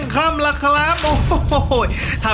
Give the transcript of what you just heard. ๖ค่ะ